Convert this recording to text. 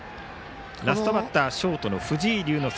ラストバッター、ショートの藤井竜之介。